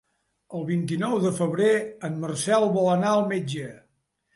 El vint-i-nou de febrer en Marcel vol anar al metge.